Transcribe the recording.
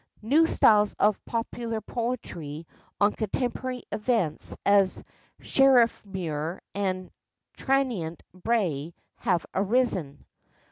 New styles of popular poetry on contemporary events as Sherriffmuir and Tranent Brae had arisen.